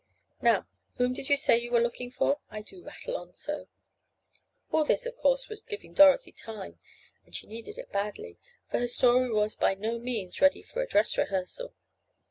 Now, whom did you say you were looking for? I do rattle on so!" All this, of course, was giving Dorothy time—and she needed it badly, for her story was by no means ready for a "dress rehearsal."